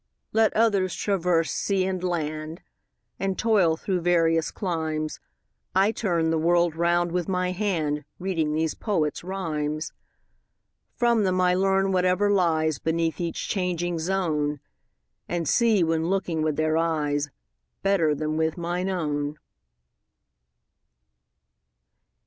Let others traverse sea and land, And toil through various climes, 30 I turn the world round with my hand Reading these poets' rhymes. From them I learn whatever lies Beneath each changing zone, And see, when looking with their eyes, 35 Better than with mine own.